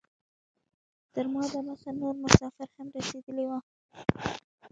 تر ما دمخه نور مسافر هم رسیدلي وو.